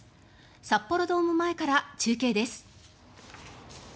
札幌ドーム前から中継です。